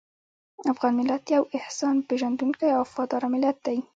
افغان ملت یو احسان پېژندونکی او وفاداره ملت دی.